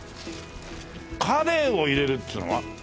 カレイを入れるっていうのは？